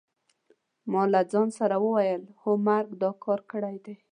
ما له ځان سره وویل: هو مرګ دا کار کړی دی.